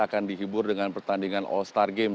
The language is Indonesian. akan dihibur dengan pertandingan all star game